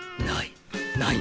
ない。